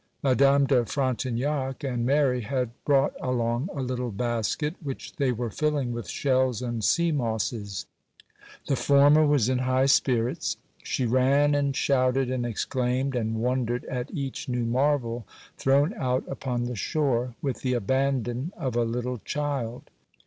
Madame de Frontignac and Mary had brought along a little basket, which they were filling with shells and sea mosses. The former was in high spirits. She ran, and shouted, and exclaimed, and wondered at each new marvel thrown out upon the shore, with the abandon of a little child.